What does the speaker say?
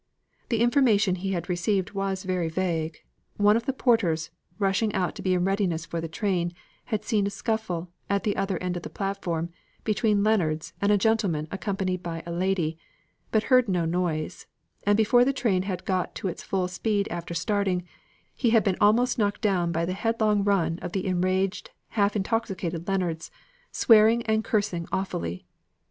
The information he had received was very vague; one of the porters, rushing out to be in readiness for the train, had seen a scuffle, at the other end of the platform, between Leonards and a gentleman accompanied by a lady, but heard no noise; and before the train had got to its full speed after starting, he had been almost knocked down by the headlong run of the enraged half intoxicated Leonards, swearing and cursing awfully.